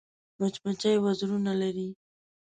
مچمچۍ وزرونه لري